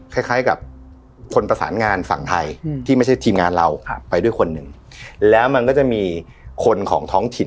คล้ายกับคนประสานงานฝั่งไทยที่ไม่ใช่ทีมงานเราไปด้วยคนหนึ่งแล้วมันก็จะมีคนของท้องถิ่น